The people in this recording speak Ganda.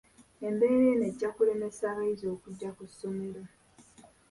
Embeera eno ejja kulemesa abayizi okujja ku ssomero.